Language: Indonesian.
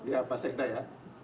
ya pasti ada ya